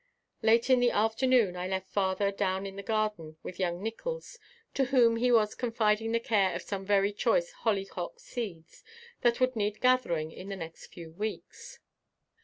Late in the afternoon I left father down in the garden with young Nickols, to whom he was confiding the care of some very choice hollyhock seeds that would need gathering in the next few weeks.